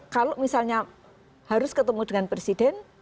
kalau misalnya harus ketemu dengan presiden